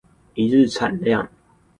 一日產量